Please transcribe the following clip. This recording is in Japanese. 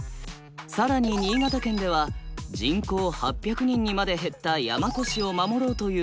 更に新潟県では人口８００人にまで減った山古志を守ろうというＤＡＯが発足。